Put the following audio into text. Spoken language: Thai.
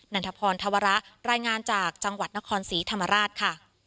ันทพรธวระรายงานจากจังหวัดนครศรีธรรมราชค่ะ